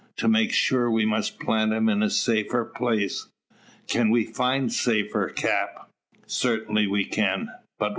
To make sure we must plant him in a safer place." "Can we find safer, cap?" "Certainly we can." "But whar?"